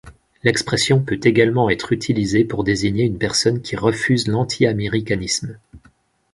L’expression peut également être utilisée pour désigner une personne qui refuse l’antiaméricanisme.